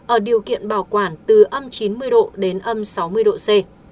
ở điều kiện bảo quản từ âm chín mươi độ đến âm sáu mươi độ c